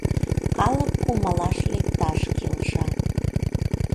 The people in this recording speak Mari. Калык кумалаш лекташ келша.